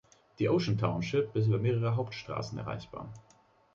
Die Ocean Township ist über mehrere Hauptstraßen erreichbar.